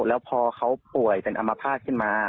แล้วพอเขาป่วยเป็นอำมัติภาพขึ้นมา